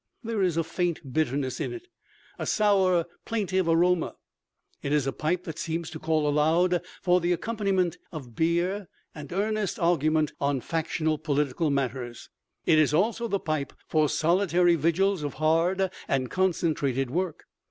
There is a faint bitterness in it, a sour, plaintive aroma. It is a pipe that seems to call aloud for the accompaniment of beer and earnest argument on factional political matters. It is also the pipe for solitary vigils of hard and concentrated work.